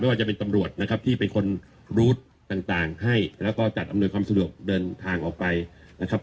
ว่าจะเป็นตำรวจนะครับที่เป็นคนรู้ต่างให้แล้วก็จัดอำนวยความสะดวกเดินทางออกไปนะครับ